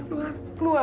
keluar keluar keluar